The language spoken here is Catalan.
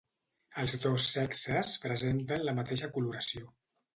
Els dos sexes presenten la mateixa coloració.